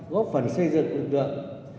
góp phần xây dựng lực lượng